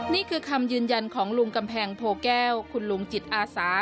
นี่คือคำยืนยันของลุงกำแพงโพแก้วคุณลุงจิตอาสา